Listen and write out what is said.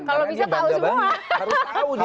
kalau bisa tahu semua